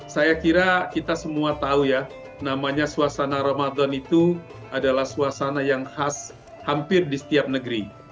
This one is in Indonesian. saya kira kita semua tahu ya namanya suasana ramadan itu adalah suasana yang khas hampir di setiap negeri